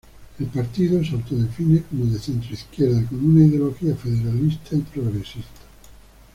El partido se autodefine como de centroizquierda, con una ideología federalista y progresista.